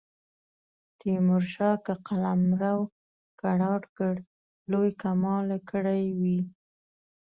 تیمورشاه که قلمرو کرار کړ لوی کمال کړی وي.